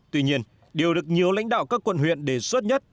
tuy nhiên điều được nhiều lãnh đạo các quận huyện đề xuất nhất